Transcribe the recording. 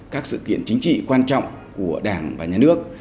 các sự kiện chính trị quan trọng của đảng và nhà nước